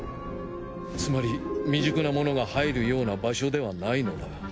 つまり未熟な者が入るような場所ではないのだ。